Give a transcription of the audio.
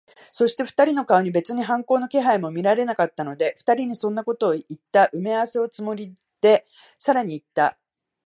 そして、二人の顔に別に反抗の気配も見られなかったので、二人にそんなことをいった埋合せをするつもりで、さらにいった。